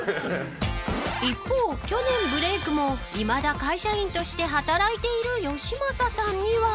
一方、去年ブレークもいまだ会社員として働いているよしまささんには。